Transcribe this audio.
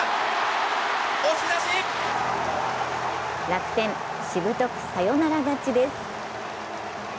楽天、しぶとくサヨナラ勝ちです。